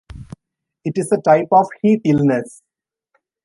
It is a type of heat illness.